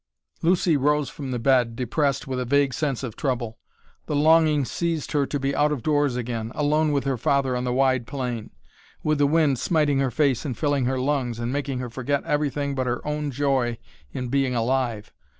Lucy arose from the bed depressed with a vague sense of trouble. The longing seized her to be out of doors again, alone with her father on the wide plain, with the wind smiting her face and filling her lungs and making her forget everything but her own joy in being alive.